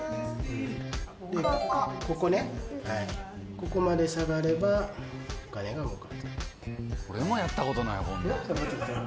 ここまで下がればお金が動く。